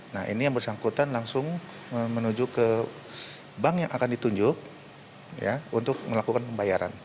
nah ini yang bersangkutan langsung menuju ke bank yang akan ditunjuk untuk melakukan pembayaran